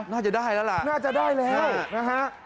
น่าจะได้แล้วล่ะน่าจะได้แล้วนะฮะ